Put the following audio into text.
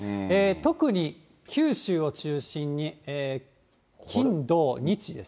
特に九州を中心に金、土、日です